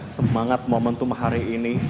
semangat momentum hari ini